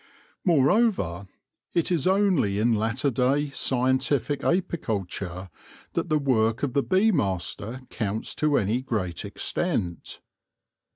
Moreover, it is only in latter day, scientific apicul ture that the work of the bee master counts to any great extent.